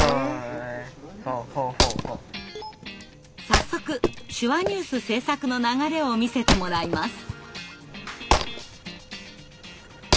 早速手話ニュース制作の流れを見せてもらいます。